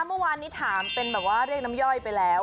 เมื่อวานนี้ถามเป็นแบบว่าเรียกน้ำย่อยไปแล้ว